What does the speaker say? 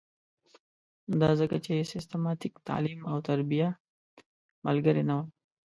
دا ځکه چې سیستماتیک تعلیم او تربیه ملګرې نه وه.